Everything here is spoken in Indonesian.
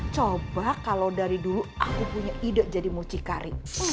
coba kalau dari dulu aku punya ide jadi mucikari